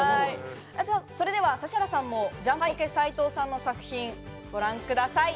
それでは指原さんもジャンポケ・斉藤さんの作品、ご覧ください。